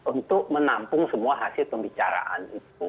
untuk menampung semua hasil pembicaraan itu